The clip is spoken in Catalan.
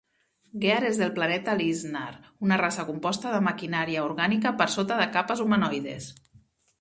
Gear és del planeta Linsnar, una raça composta de maquinària orgànica per sota de capes humanoides.